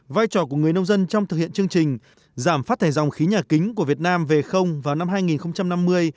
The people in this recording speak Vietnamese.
vai trò của người nông dân trong thực hiện chương trình giảm phát thải dòng khí nhà kính của việt nam về vào năm hai nghìn năm mươi